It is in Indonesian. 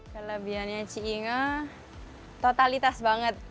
kelebihannya cie inge totalitas banget